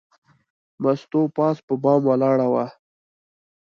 مستو پاس په بام ولاړه وه.